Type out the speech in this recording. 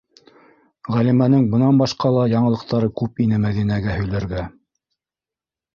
Ғәлимәнең бынан башҡа ла яңылыҡтары күп ине Мәҙинәгә һөйләргә.